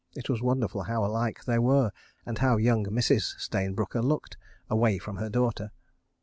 ... It was wonderful how alike they were, and how young Mrs. Stayne Brooker looked—away from her daughter.